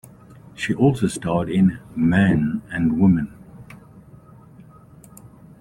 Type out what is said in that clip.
She also starred in "Man and Woman".